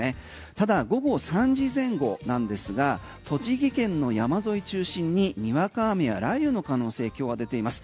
ただ、午後３時前後なんですが栃木県の山沿い中心ににわか雨や雷雨の可能性今日は出ています。